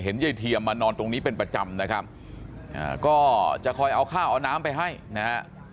ยายเทียมมานอนตรงนี้เป็นประจำนะครับก็จะคอยเอาข้าวเอาน้ำไปให้นะฮะ